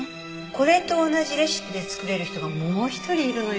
これと同じレシピで作れる人がもう一人いるのよ。